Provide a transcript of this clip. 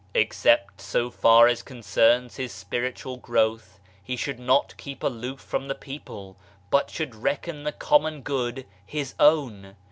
Except, so far as con cerns his spiritual growth, he should not keep aloof from the people, but should reckon the common good, his own.